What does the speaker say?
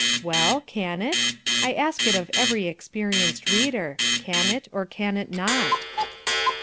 Well, can it? I ask it of every experienced reader can it or can it not?